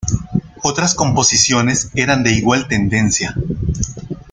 Otras composiciones eran de igual tendencia.